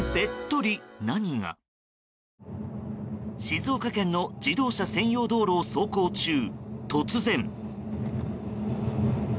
静岡県の自動車専用道路を走行中、突然。